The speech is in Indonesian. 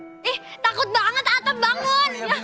ih takut banget atap banget